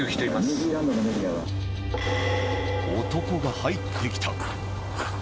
男が入ってきた。